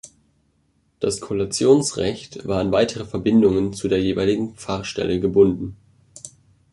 Das Kollationsrecht war an weitere Verbindungen zu der jeweiligen Pfarrstelle gebunden.